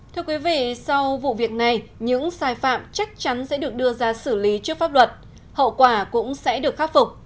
thưa quý vị sau vụ việc này những sai phạm chắc chắn sẽ được đưa ra xử lý trước pháp luật hậu quả cũng sẽ được khắc phục